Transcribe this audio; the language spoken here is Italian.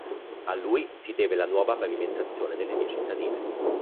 A lui si deve la nuova pavimentazione della vie cittadine.